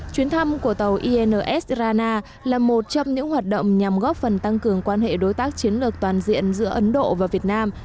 chuyến thăm của tàu ins rana là một trong những hoạt động nhằm góp phần tăng cường quan hệ đối tác chiến lược toàn diện giữa ấn độ và việt nam